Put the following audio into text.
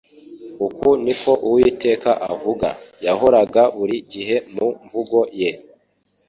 Uku niko Uwiteka avuga,'' yahoraga buri gihe mu mvugo ye